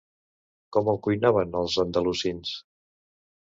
Com el cuinaven els andalusins?